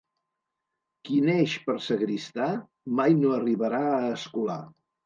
Qui neix per sagristà, mai no arribarà a escolà.